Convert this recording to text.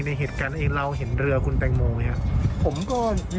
ไม่ดูด้วยดูถ้าเรือคุณแต่งโมค่ะ